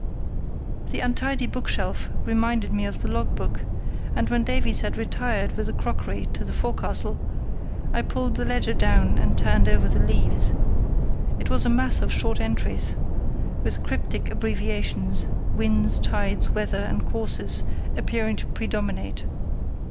The untidy bookshelf reminded me of the logbook, and when Davies had retired with the crockery to the forecastle, I pulled the ledger down and turned over the leaves. It was a mass of short entries, with cryptic abbreviations, winds, tides, weather, and courses appearing to predominate.